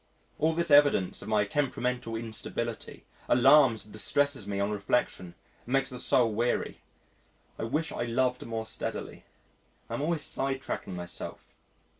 All this evidence of my temperamental instability alarms and distresses me on reflection and makes the soul weary. I wish I loved more steadily. I am always sidetracking myself.